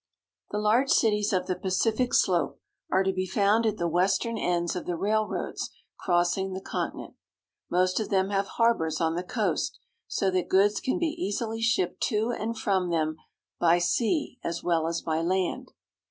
THE large cities of the Pacific slope are to be found at the western ends of the railroads crossing the continent. Most of them have harbors on the coast, so that goods can be easily shipped to and from them by sea as well as by land.